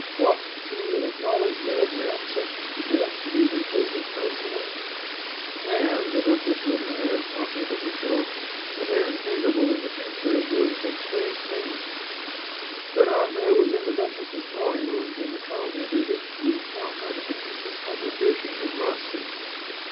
" What ! choose an acknowl edged madman, sentenced to death, to be her closest coun sellor !"" And," the duchess would add, talking to her self, " a man capable, in the future, of doing such strange 396 The Chartreuse of Parma things I " Ferrante was in the duchess's drawing room when the count entered it to inform her of the prince's conversa tion with Rassi.